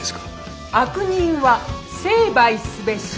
「悪人は成敗すべし」。